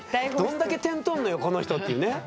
どんだけ点取んのよこの人っていうね。